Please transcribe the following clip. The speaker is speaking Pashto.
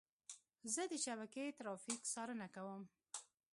زه د شبکې ترافیک څارنه کوم.